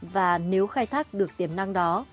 và nếu khai thác được tiềm năng đó